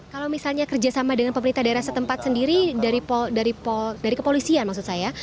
kalau misalnya kerjasama dengan pemerintah daerah setempat sendiri dari kepolisian maksud saya